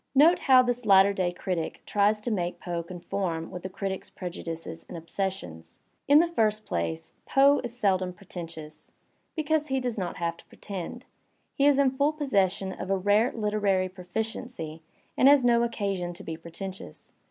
Note how this latter day critic tries to make Poe conform with the critic's prejudices and obsessions. In the first place, Poe is seldom pretentious, because he does not have to pre tend; he is in full possession of a rare literary proficiency and has no occasion to be pretentious.